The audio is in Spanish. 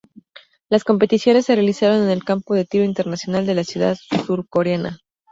Las competiciones se realizaron en el Campo de Tiro Internacional de la ciudad surcoreana.